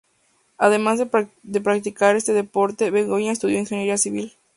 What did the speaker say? Además de practicar este deporte, Begoña estudió ingeniería civil.